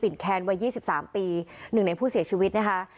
ปิ่นแคลว่า๒๓ปีหนึ่งในผู้เสียชีวิตนะครับ